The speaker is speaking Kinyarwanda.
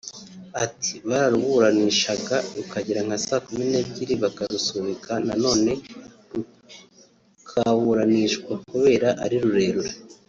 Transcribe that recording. Ati Bararuburanishaga rukagera nka saa kumi n’ebyiri bakarusubika nanone rukaburanishwa kubera ari rurerure